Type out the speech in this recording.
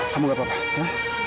kamu gak apa apa